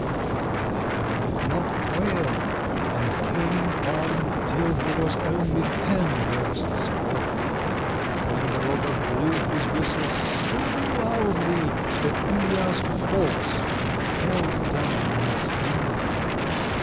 But the hero did not quail, and came on till he was only ten versts off, when the robber blew his whistle so loudly that Ilija's horse fell down on its knees.